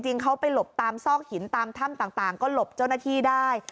เขาไปหลบตามซอกหินตามถ้ำต่างก็หลบเจ้าหน้าที่ได้